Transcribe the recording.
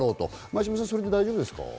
前嶋さん、それで大丈夫ですか？